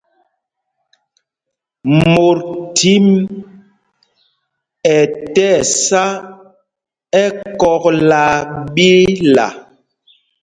Mot thím ɛ tí ɛsá ɛkɔ̂k laa ɓila.